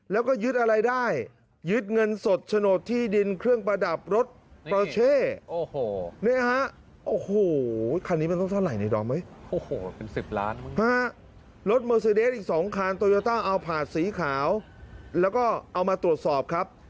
แล้วก็เอามาตรวจสอบครับ